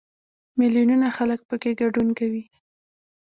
میلیونونه خلک پکې ګډون کوي.